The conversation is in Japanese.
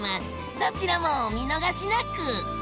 どちらもお見逃しなく！